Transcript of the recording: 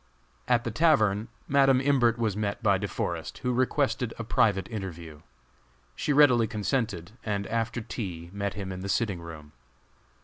At the tavern Madam Imbert was met by De Forest, who requested a private interview. She readily consented, and, after tea, met him in the sitting room.